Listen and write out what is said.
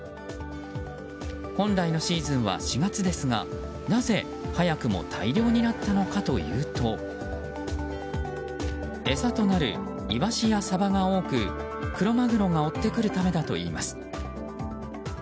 本来のシーズンは４月ですがなぜ早くも大漁になったのかというと餌となるイワシやサバが多くクロマグロが追ってくるためだといいます。